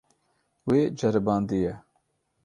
Wê ceribandiye.